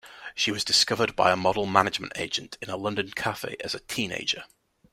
She was discovered by a model-management agent in a London cafe as a teenager.